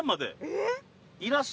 えっ！